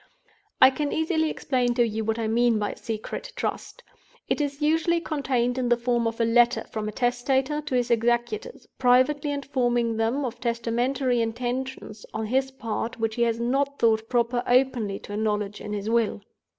"I can easily explain to you what I mean by a Secret Trust. It is usually contained in the form of a letter from a Testator to his Executors, privately informing them of testamentary intentions on his part which he has not thought proper openly to acknowledge in his will.